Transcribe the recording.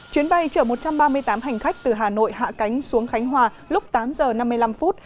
chuyến bay chở một trăm ba mươi tám hành khách từ hà nội hạ cánh xuống khánh hòa lúc tám giờ năm mươi năm phút